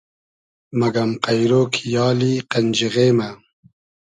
مئگئم قݷرۉ کی یالی قئنجیغې مۂ